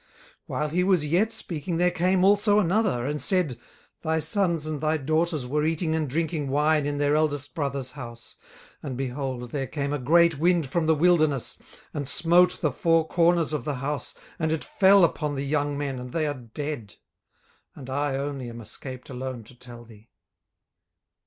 18:001:018 While he was yet speaking, there came also another, and said, Thy sons and thy daughters were eating and drinking wine in their eldest brother's house: 18:001:019 And, behold, there came a great wind from the wilderness, and smote the four corners of the house, and it fell upon the young men, and they are dead; and I only am escaped alone to tell thee.